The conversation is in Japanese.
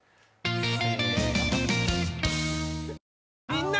みんな！